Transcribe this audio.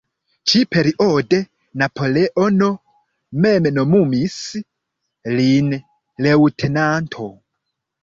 Ĉi-periode Napoleono mem nomumis lin leŭtenanto.